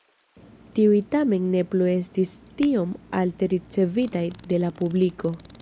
Tiuj tamen ne plu estis tiom alte ricevitaj de la publiko.